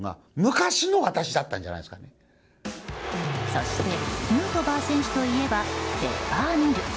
そしてヌートバー選手といえばペッパーミル。